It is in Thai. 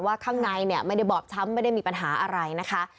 ว่าข้างในไม่ได้บอกช้ำไม่ได้มีปัญหาอะไรนะคะ